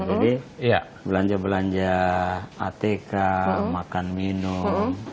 jadi belanja belanja atk makan minum